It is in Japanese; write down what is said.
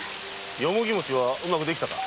ヨモギ餅はうまくできたか？